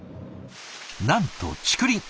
なんと竹林。